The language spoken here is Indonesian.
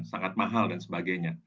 sangat mahal dan sebagainya